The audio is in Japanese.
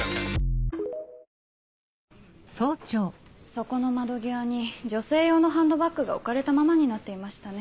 そこの窓際に女性用のハンドバッグが置かれたままになっていましたね。